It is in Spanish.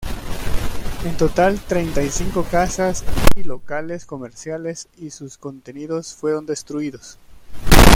En total treinta y cinco casas y locales comerciales y sus contenidos fueron destruidos.